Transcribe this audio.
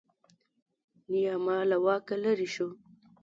نیاما له واکه لرې شو.